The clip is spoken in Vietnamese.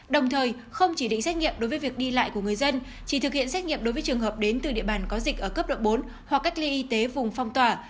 đồng thời không chỉ định xét nghiệm đối với việc đi lại của người dân chỉ thực hiện xét nghiệm đối với trường hợp đến từ địa bàn có dịch ở cấp độ bốn hoặc cách ly y tế vùng phong tỏa